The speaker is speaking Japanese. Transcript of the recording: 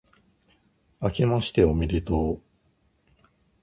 あけましておめでとう、